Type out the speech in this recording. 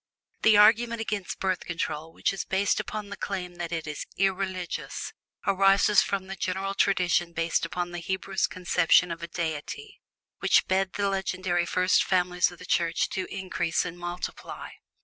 The argument against Birth Control which is based upon the claim that it is "irreligious," arises from the general tradition based upon the Hebrew conception of a Deity who bade the legendary first families of the race to "increase and multiply."